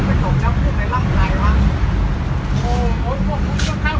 อะไรก็รำคาญกับพวกมันขาดของเรา